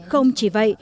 không chỉ vậy